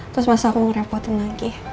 terus masa aku ngerepotin lagi